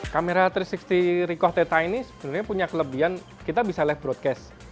kamera tiga ratus enam puluh ricoh teta ini sebenarnya punya kelebihan kita bisa live broadcast